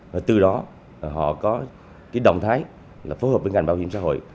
và từ đó họ có cái động thái là phối hợp với ngành bảo hiểm xã hội